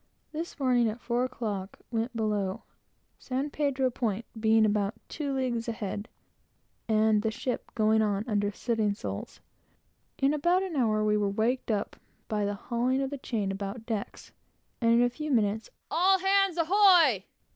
This morning, at four o'clock, went below, San Pedro point being about two leagues ahead, and the ship going on under studding sails. In about an hour we were waked up by the hauling of the chain about decks, and in a few minutes "All hands ahoy!"